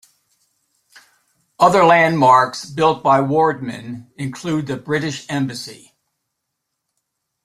Other landmarks built by Wardman include the British Embassy.